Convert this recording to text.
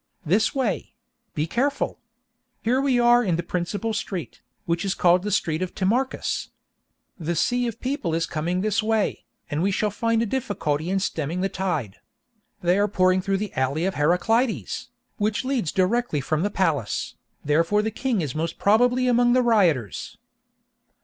This way—be careful! Here we are in the principal street, which is called the street of Timarchus. The sea of people is coming this way, and we shall find a difficulty in stemming the tide. They are pouring through the alley of Heraclides, which leads directly from the palace;—therefore the king is most probably among the rioters.